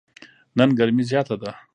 نن ګرمي زیاته ده.